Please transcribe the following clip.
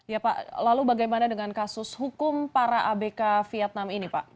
ya pak lalu bagaimana dengan kasus hukum para abk vietnam ini pak